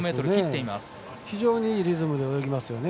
非常にいいリズムで泳ぎますね。